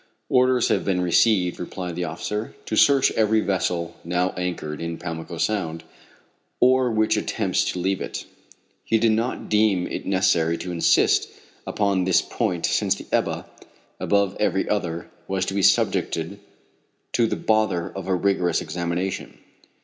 "Orders have been received," replied the officer, "to search every vessel now anchored in Pamlico Sound, or which attempts to leave it." He did not deem it necessary to insist upon this point since the Ebba, above every other, was to be subjected to the bother of a rigorous examination.